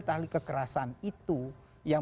tali kekerasan itu yang